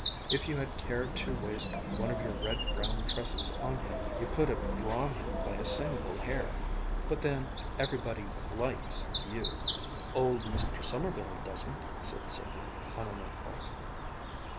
If you had cared to waste one of your red brown tresses on him, you could have drawn him by a single hair. But then, everybody 'likes' you." "Old Mr. Sommerville doesn't!" said Sylvia, on an impulse.